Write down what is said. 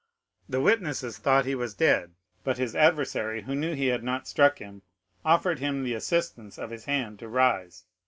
The witnesses thought he was dead, but his adversary, who knew he had not struck him, offered him the assistance of his hand to rise.